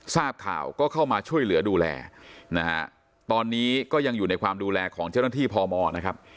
ทราบข่าวก็เข้ามาช่วยเหลือดูแลนะฮะตอนนี้ก็ยังอยู่ในความดูแลของเจ้าหน้าที่พมนะครับ